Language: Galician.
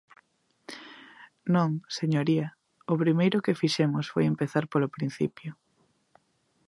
Non, señoría, o primeiro que fixemos foi empezar polo principio.